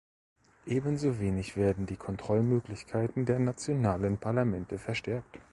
Ebenso wenig werden die Kontrollmöglichkeiten der nationalen Parlamente verstärkt.